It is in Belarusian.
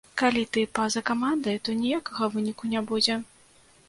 Калі ты па-за камандай, то ніякага выніку не будзе.